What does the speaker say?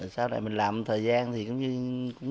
sau này mình làm một thời gian